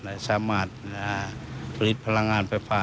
สามารถผลิตพลังงานไฟฟ้า